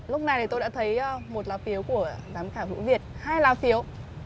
lúc này tôi đã thấy một lao phiếu của giám khảo hữu việt hai lao phiếu